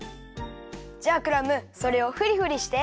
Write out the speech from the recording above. じゃあクラムそれをフリフリして。